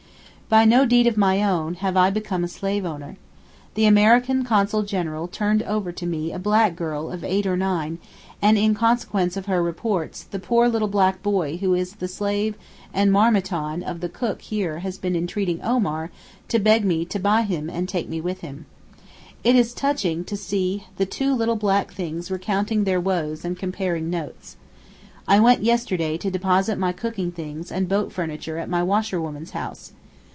By no deed of my own have I become a slave owner. The American Consul General turned over to me a black girl of eight or nine, and in consequence of her reports the poor little black boy who is the slave and marmiton of the cook here has been entreating Omar to beg me to buy him and take him with me. It is touching to see the two poor little black things recounting their woes and comparing notes. I went yesterday to deposit my cooking things and boat furniture at my washerwoman's house.